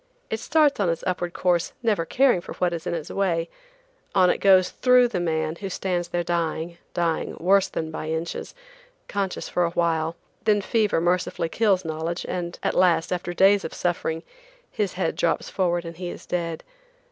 It starts on its upward course never caring for what is in its way; on it goes through the man who stands there dying, dying, worse than by inches, conscious for a while, then fever mercifully kills knowledge, and at last, after days of suffering, his head drops forward, and he is dead.